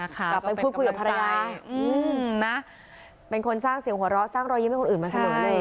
กลับไปพูดคุยกับใครนะเป็นคนสร้างเสียงหัวเราะสร้างรอยยิ้มให้คนอื่นมาเสมอเลย